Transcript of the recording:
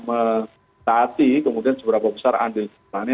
mentaati kemudian seberapa besar andilnya